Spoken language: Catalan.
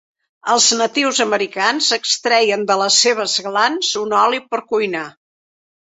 Els natius americans extreien de les seves glans un oli per cuinar.